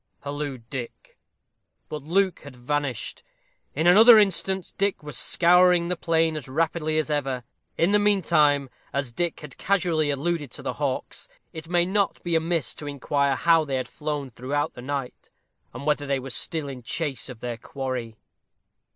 hallooed Dick. But Luke had vanished. In another instant Dick was scouring the plain as rapidly as ever. In the mean time, as Dick has casually alluded to the hawks, it may not be amiss to inquire how they had flown throughout the night, and whether they were still in chase of their quarry.